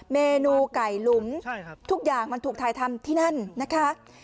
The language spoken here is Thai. เมนูไก่หลุมทุกอย่างมันถูกถ่ายทำที่นั่นนะคะ